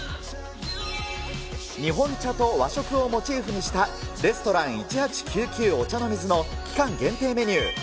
日本茶と和食をモチーフにしたレストラン１８９９オチャノミズの期間限定メニュー。